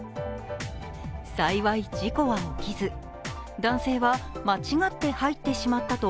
幸い事故は起きず男性は間違って入ってしまったと